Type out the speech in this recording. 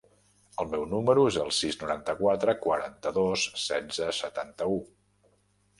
El meu número es el sis, noranta-quatre, quaranta-dos, setze, setanta-u.